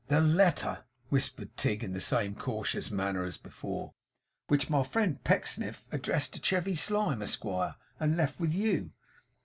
'The letter,' whispered Tigg in the same cautious manner as before, 'which my friend Pecksniff addressed to Chevy Slyme, Esquire, and left with you.